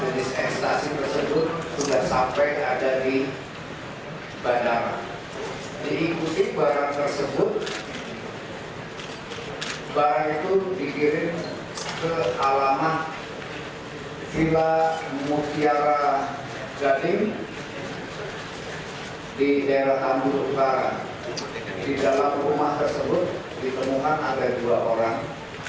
di daerah ambut utara di dalam rumah tersebut ditemukan ada dua orang